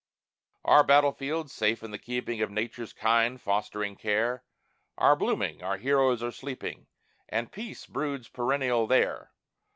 Our battle fields, safe in the keeping Of Nature's kind, fostering care, Are blooming, our heroes are sleeping, And peace broods perennial there.